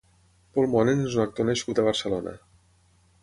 Pol Monen és un actor nascut a Barcelona.